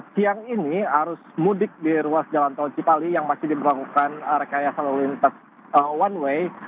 siang ini arus mudik di ruas jalan tol cipali yang masih diberlakukan rekayasa lalu lintas one way